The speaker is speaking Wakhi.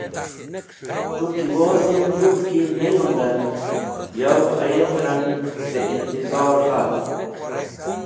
To ki wuz yem yupki ne yundem, yow ayet rang dẽ intizor hald.